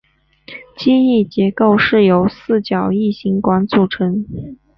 机翼结构是由内四角异型管组成。